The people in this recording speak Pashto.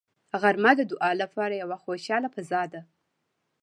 غرمه د دعا لپاره یوه خوشاله فضا ده